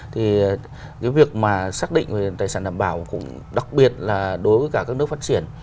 thì cái việc mà xác định về tài sản đảm bảo cũng đặc biệt là đối với cả các nước phát triển